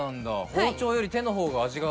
包丁より手の方が味が。